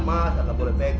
masa tak boleh pegang